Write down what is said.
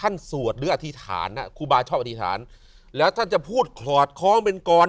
โมดามก็สังเกตเห็นมั้ย